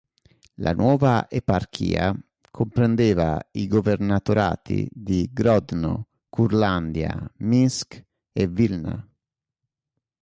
La nuova eparchia comprendeva i governatorati di Grodno, Curlandia, Minsk e Vil'na.